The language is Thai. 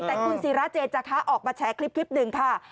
แต่คุณศิราเจนจาคะออกมาแชร์คลิปหนึ่งค่ะ